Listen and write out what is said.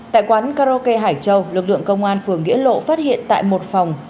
tại quán karaoke hải châu lực lượng công an phường nghĩa lộ phát hiện tại một phòng